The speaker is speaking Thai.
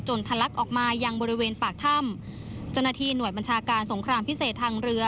ทะลักออกมายังบริเวณปากถ้ำเจ้าหน้าที่หน่วยบัญชาการสงครามพิเศษทางเรือ